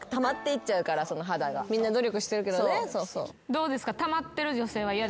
どうですか？